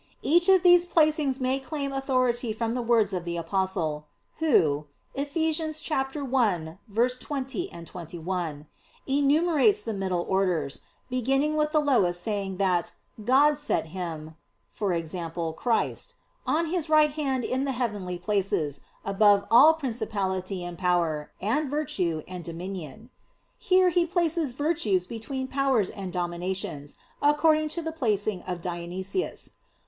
Each of these placings may claim authority from the words of the Apostle, who (Eph. 1:20,21) enumerates the middle orders, beginning from the lowest saying that "God set Him," i.e. Christ, "on His right hand in the heavenly places above all Principality and Power, and Virtue, and Dominion." Here he places "Virtues" between "Powers" and "Dominations," according to the placing of Dionysius.